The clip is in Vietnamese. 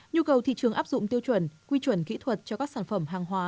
nhu cầu thị trường áp dụng tiêu chuẩn quy chuẩn kỹ thuật cho các sản phẩm hàng hóa